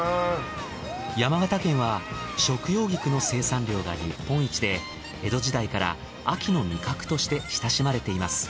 山形県は食用菊の生産量が日本一で江戸時代から秋の味覚として親しまれています。